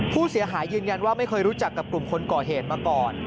ผู้เสียหายยืนยันว่าไม่เคยรู้จักกับกลุ่มคนก่อเหตุมาก่อน